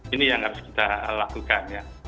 ini yang harus kita lakukan ya